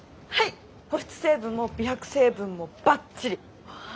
保湿成分も美白成分もばっちり！